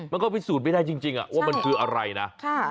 มันก็พิสูจน์ไม่ได้จริงว่ามันคืออะไรนะ